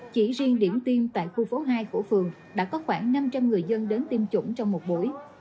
chỉ riêng điểm tiêm tại khu phố hai của phường đã có khoảng năm trăm linh người dân đến tiêm chủng trong một buổi